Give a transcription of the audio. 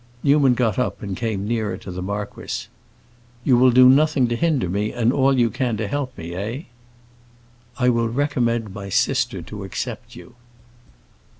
Newman got up and came nearer to the marquis. "You will do nothing to hinder me, and all you can to help me, eh?" "I will recommend my sister to accept you."